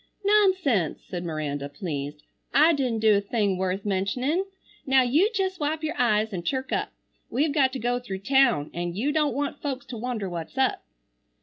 "Nonsense!" said Miranda, pleased. "I didn't do a thing worth mentioning. Now you jest wipe your eyes and chirk up. We've got to go through town an' you don't want folks to wonder what's up."